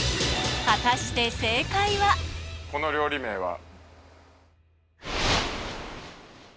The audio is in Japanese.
果たしてこの料理名は。